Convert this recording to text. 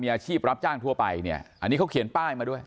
มีอาชีพรับจ้างทั่วไปเนี่ยอันนี้เขาเขียนป้ายมาด้วย